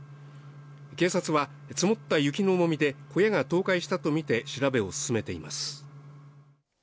警察は積もった雪の重みで小屋が倒壊したとみて調べを進めています。